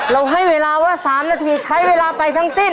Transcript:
ให้เวลาว่า๓นาทีใช้เวลาไปทั้งสิ้น